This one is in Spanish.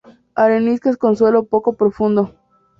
Areniscas con suelo poco profundos.